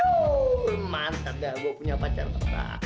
yow mantap dah gue punya pacar laura